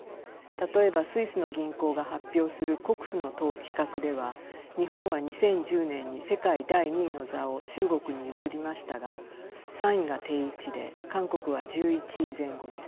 例えばスイスの銀行が発表する国富の比較では日本は２０１０年に世界第２位の座を中国に譲りましたが３位が定位置で韓国は１１位前後です。